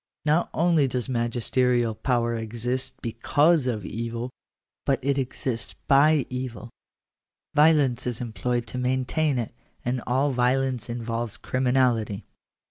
Not only does magisterial power exist because of evil, but it exists by evil. . Violence is employed to maintain it; and all violence involves criminality.